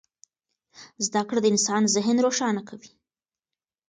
زده کړه د انسان ذهن روښانه کوي.